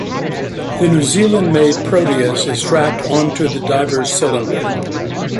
The New Zealand made Proteus is strapped onto the diver's cylinder.